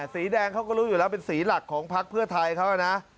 สีแดงเขาก็รู้อยู่แล้วเป็นสีหลักของพักเพื่อไทยเขานะ